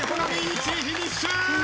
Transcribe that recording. １位フィニッシュ！